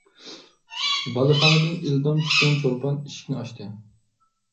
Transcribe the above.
بالىخانىدىن ئىلدام چۈشكەن چولپان ئىشىكنى ئاچتى.